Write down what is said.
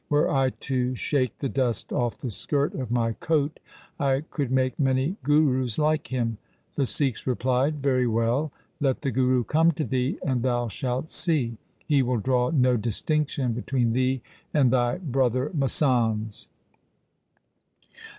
Were I to shake the dust off the skirt of my coat, I could make many Gurus like him.' The Sikhs replied, ' Very well ; let the Guru come to thee, and thou shalt see. He will draw no distinction between thee and thy brother masands.'